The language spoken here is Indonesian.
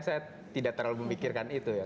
saya tidak terlalu memikirkan itu ya